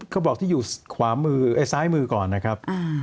กระบอกที่อยู่ซ้ายมือก่อนนะครับ